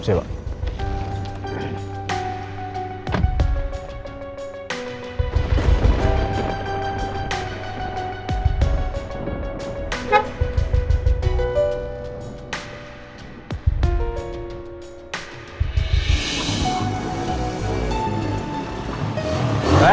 se schizophrenes karena kekurakan